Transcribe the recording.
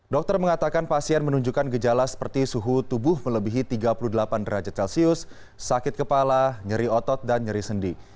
dokter mengatakan pasien menunjukkan gejala seperti suhu tubuh melebihi tiga puluh delapan derajat celcius sakit kepala nyeri otot dan nyeri sendi